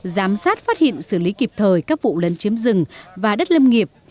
giám sát phát hiện xử lý kịp thời các vụ lấn chiếm rừng và đất lâm nghiệp